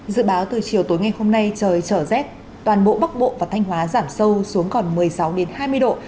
dự báo từ chiều tối ngày hôm nay trời trở rét toàn bộ bắc bộ và thanh hóa giảm sâu xuống còn một mươi sáu hai mươi độ